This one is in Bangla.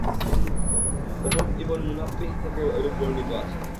ওহব ইবন মুনাব্বিহ থেকেও এরূপ বর্ণিত আছে।